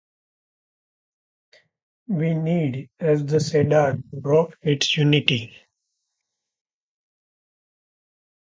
We need, as the cedar, to rock its unity.